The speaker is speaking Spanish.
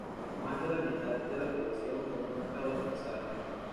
Más de la mitad de la población fue muerta o desplazada.